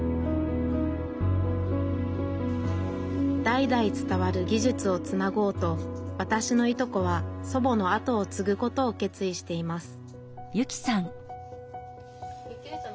代々伝わる技術をつなごうとわたしのいとこは祖母の後を継ぐことを決意しています